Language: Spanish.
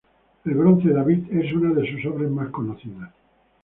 El bronce "David" es una de sus obras más conocidas.